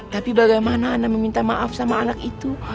tapi bagaimana anak meminta maaf sama anak itu